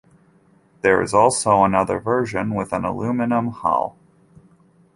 There is also another version with an aluminum hull.